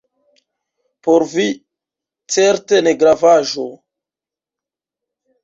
Por vi certe negravaĵo!